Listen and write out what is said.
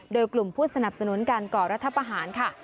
โดยกลุ่มผู้สนับสนุนการก่อรัฐประหารค่ะ